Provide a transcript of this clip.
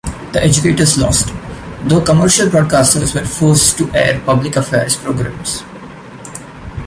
The educators lost, though commercial broadcasters were forced to air public affairs programs.